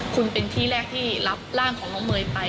คุณเป็นที่แรกที่รับร่างของน้องเมย์ไป